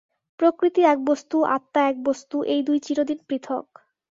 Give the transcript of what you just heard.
প্রকৃতি এক বস্তু, আত্মা এক বস্তু, এই দুই চিরদিন পৃথক্।